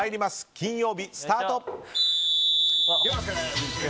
金曜日、スタート！